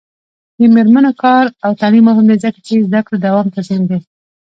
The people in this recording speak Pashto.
د میرمنو کار او تعلیم مهم دی ځکه چې زدکړو دوام تضمین دی.